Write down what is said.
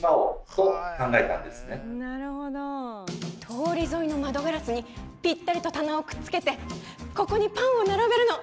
通り沿いの窓ガラスにぴったりと棚をくっつけてここにパンを並べるの。